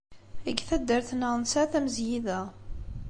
Deg taddart-nneɣ nesɛa tamezgida.